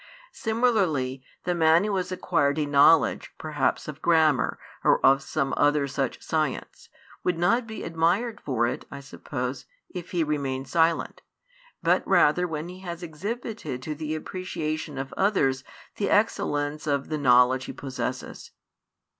Similarly, the man who has acquired a knowledge perhaps of grammar or of some other such science, would not be admired for it, I suppose, if he remained silent, but rather when he has exhibited to the appreciation of others the excellence of the knowledge he possesses.